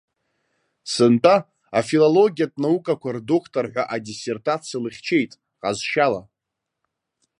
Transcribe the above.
Сынтәа, афилологиатә наукақәа рдоктор ҳәа адиссертациа лыхьчеит, ҟазшьала.